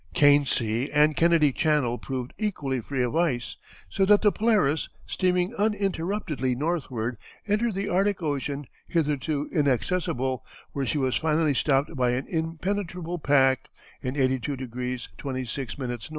Kane Sea and Kennedy Channel proved equally free of ice, so that the Polaris, steaming uninterruptedly northward, entered the Arctic Ocean, hitherto inaccessible, where she was finally stopped by an impenetrable pack, in 82° 26´ N.